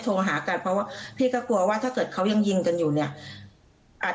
โทรหากันเพราะว่าพี่ก็กลัวว่าถ้าเกิดเขายังยิงกันอยู่เนี่ย